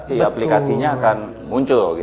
si aplikasinya akan muncul gitu